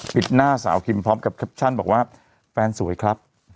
หน้าสาวคิมพร้อมกับแคปชั่นบอกว่าแฟนสวยครับ